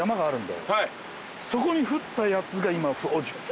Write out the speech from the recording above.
そこに降ったやつが今。